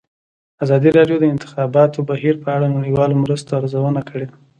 ازادي راډیو د د انتخاباتو بهیر په اړه د نړیوالو مرستو ارزونه کړې.